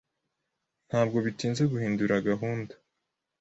Ntabwo bitinze guhindura gahunda.